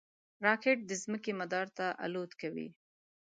راکټ د ځمکې مدار ته الوت کوي